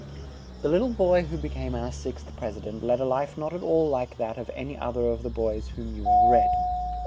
The lit tle boy who be came our sixth Pres i dent led a life not at all like that of an y oth er of the boys of whom you have read.